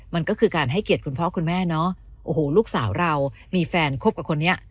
มันก็คือการให้เกียรติคุณพ่อคุณแม่เนอะโอ้โหลูกสาวเรามีแฟนคบกับคนนี้